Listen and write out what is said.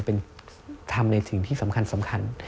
เป็นทำในสิ่งที่สำคัญ